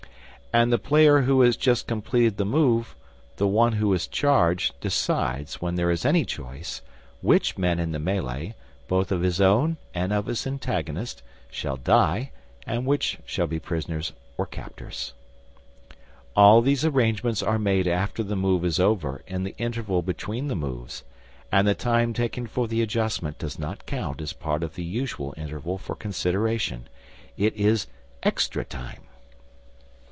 And the player who has just completed the move, the one who has charged, decides, when there is any choice, which men in the melee, both of his own and of his antagonist, shall die and which shall be prisoners or captors. All these arrangements are made after the move is over, in the interval between the moves, and the time taken for the adjustment does not count as part of the usual interval for consideration. It is extra time.